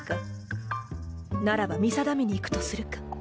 ならば見定めに行くとするか